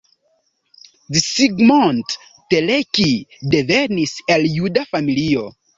Zsigmond Teleki devenis el juda familio.